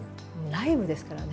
ライブですからね。